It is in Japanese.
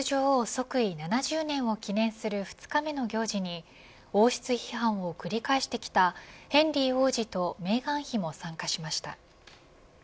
即位７０年を記念する２日目の行事に王室批判を繰り返してきたヘンリー王子とメーガン妃も参加しました。